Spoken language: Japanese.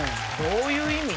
・どういう意味？